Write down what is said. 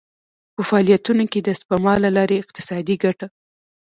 په فعالیتونو کې د سپما له لارې اقتصادي ګټه.